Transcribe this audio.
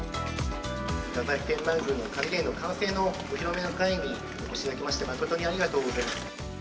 太宰府天満宮の仮殿の完成のお披露目の会にお越しいただきまして、誠にありがとうございます。